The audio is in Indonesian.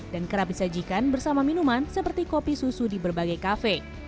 dan kerap disajikan bersama minuman seperti kopi susu di berbagai cafe